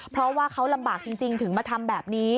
เพราะว่าเขาลำบากจริงถึงมาทำแบบนี้